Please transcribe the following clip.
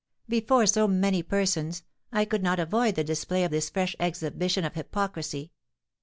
Before so many persons I could not avoid the display of this fresh exhibition of hypocrisy.